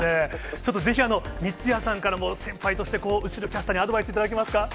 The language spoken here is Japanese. ちょっとぜひ三屋さんからも先輩として、後呂キャスターにアドバイス頂けますか？